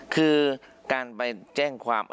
คือการไปแจ้งความ